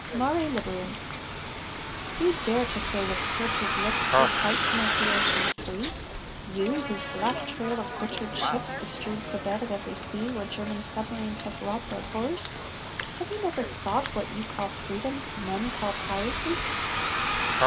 MARE LIBERUM You dare to say with perjured lips, "We fight to make the ocean free"? You, whose black trail of butchered ships Bestrews the bed of every sea Where German submarines have wrought Their horrors! Have you never thought, What you call freedom, men call piracy!